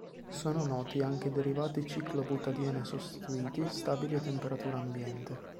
Sono noti anche derivati ciclobutadiene-sostituiti stabili a temperatura ambiente.